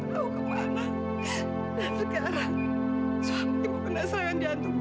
suami ibu penasaran jantung ibu